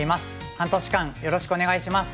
半年間よろしくお願いします。